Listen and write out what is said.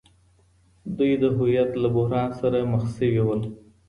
دوی د هويت له بحران سره مخ سوي وو.